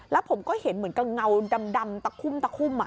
แล้วผมก็เห็นเหมือนกับเงาดำตะคุ่มตะคุ่ม